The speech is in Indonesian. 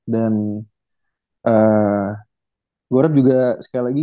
dan gua harap juga sekali lagi